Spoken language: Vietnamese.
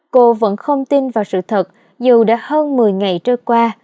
cô vẫn không tin vào sự thật dù đã hơn một mươi ngày trôi qua